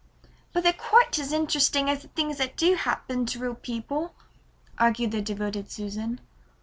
"But they're quite as interesting as the things that do happen to real people," argued the devoted Susan.